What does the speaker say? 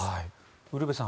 ウルヴェさん